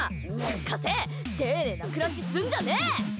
貸せ、丁寧な暮らしすんじゃねー。